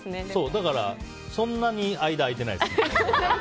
だからそんなに間、空いてないです。